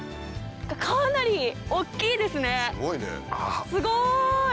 かなり大っきいですねすごい！